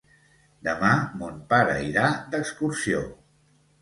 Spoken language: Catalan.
Demà mon pare irà d'excursió.